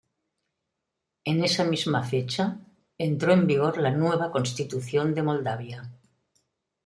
En esa misma fecha entró en vigor la nueva Constitución de Moldavia.